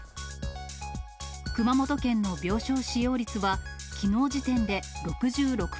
熊本県の病床使用率は、きのう時点で６６％。